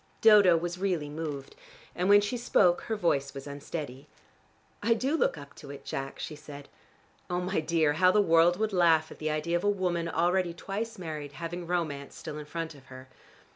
Dodo was really moved, and when she spoke her voice was unsteady. "I do look up to it, Jack," she said. "Oh, my dear, how the world would laugh at the idea of a woman already twice married, having romance still in front of her.